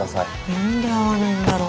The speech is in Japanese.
何で合わないんだろう。